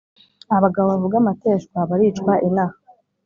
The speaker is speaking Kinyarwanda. Abagabo bavuga amateshwa baricwa inaha